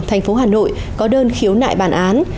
thành phố hà nội có đơn khiếu nại bản án